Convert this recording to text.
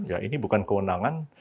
ya ini bukan kewenangan